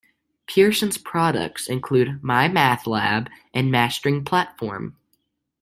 Pearson's products include MyMathLab and Mastering Platform.